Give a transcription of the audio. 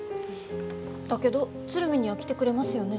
だけど鶴見には来てくれますよね？